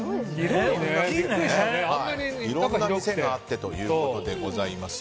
いろんなお店があってということでございます。